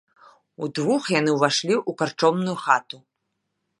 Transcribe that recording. Удвух яны ўвайшлі ў карчомную хату.